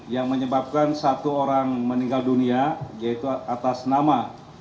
yang menyebabkan satu orang meninggal dunia yaitu atas nama